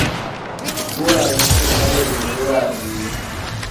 Bu waayisi timere wilidu waadu yi ne.